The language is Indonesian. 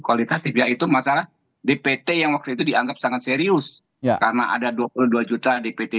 kualitatif yaitu masalah dpt yang waktu itu dianggap sangat serius karena ada dua puluh dua juta dpt